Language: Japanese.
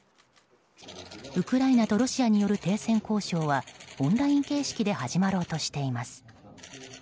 ウクライナとロシアによる停戦交渉はオンライン形式で始まろうとしています。